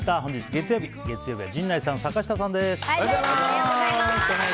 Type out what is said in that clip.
月曜日のゲストは陣内さん、坂下さんです。